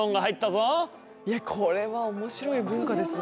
これは面白い文化ですね。